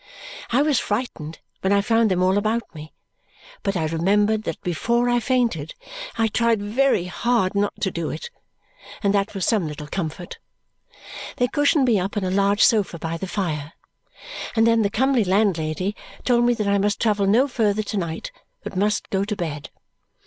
I was frightened when I found them all about me, but I remembered that before I fainted I tried very hard not to do it; and that was some little comfort. They cushioned me up on a large sofa by the fire, and then the comely landlady told me that I must travel no further to night, but must go to bed.